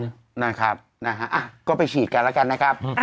ถูกต้องนะครับก็ไปฉีดกันแล้วกันนะครับ